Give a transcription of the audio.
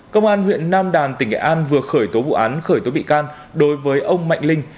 công an huyện nam đàn tỉnh nghệ an vừa khởi tố vụ án khởi tố bị can đối với ông mạnh linh